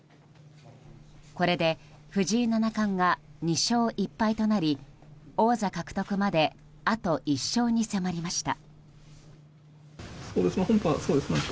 これで藤井七冠が２勝１敗となり王座獲得まであと１勝に迫りました。